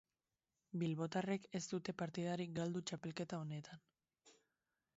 Bilbotarrek ez dute partidarik galdu txapelketa honetan.